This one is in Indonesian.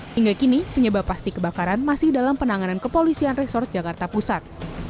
hingga kini penyebab pasti kebakaran masih dalam penanganan kepolisian resort jakarta pusat